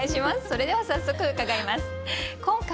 それでは早速伺います。